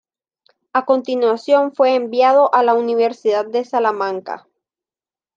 A continuación fue enviado a la Universidad de Salamanca.